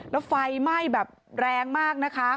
แล้วไฟไหม้แบบแรงมากนะคะ